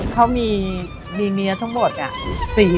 เขามีมีเมียทั้งหมดเนี่ย